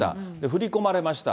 振り込まれました。